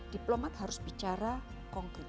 diplomat harus bicara kongkel juga